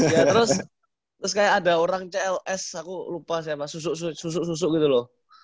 ya terus kayak ada orang cls aku lupa sama susuk susu gitu loh